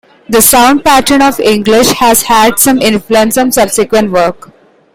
"The Sound Pattern of English" has had some influence on subsequent work.